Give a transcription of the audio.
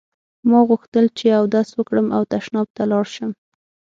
ما غوښتل چې اودس وکړم او تشناب ته لاړ شم.